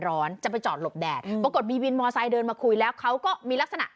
จะไปจอดหลบแดดปรากฏมีวินมอไซค์เดินมาคุยแล้วเขาก็มีลักษณะ